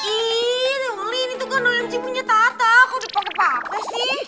ih wallyin itu kan omg punya tata kok udah pake pake sih